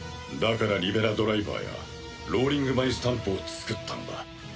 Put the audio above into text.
だからリベラドライバーやローリングバイスタンプを作ったのだ。